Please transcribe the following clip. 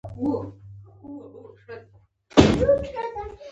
دې پسې ټونګ ټونګ ټونګ شو.